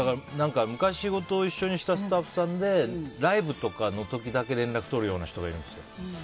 昔仕事一緒にしたスタッフさんでライブとかの時だけ連絡取るような人がいるんですよ。